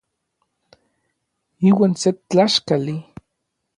Iuan se tlaxkali.